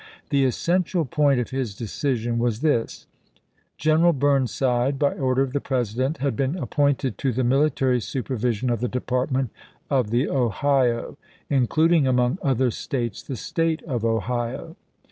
The essential point of his decision was this : General Burnside, by order of the President, had been appointed to the military supervision of the Department of the Ohio, including, among other States, the State of Ohio.